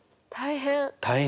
大変！